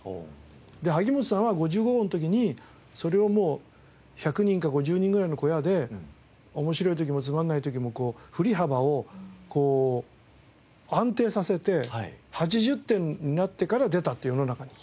で萩本さんは５５号の時にそれを１００人か５０人ぐらいの小屋で面白い時もつまらない時も振り幅をこう安定させて８０点になってから出たって世の中に。